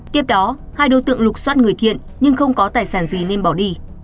tiếp đó hai đối tượng lục xoát người thiện nhưng không có tài sản gì nên bỏ đi